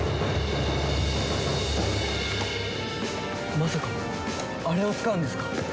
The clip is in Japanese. まさかあれを使うんですか！？